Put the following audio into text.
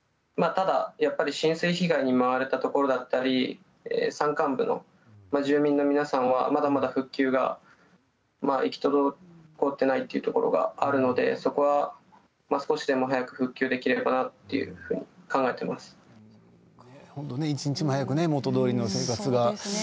ただ、浸水被害に見舞われたところだったり山間部の住民の皆さんはまだまだ復旧が行き届いていないということがありますのでそこは少しでも早く復旧できればなというふうに一日も早く元どおりの生活がね。